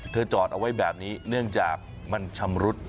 จอดเอาไว้แบบนี้เนื่องจากมันชำรุด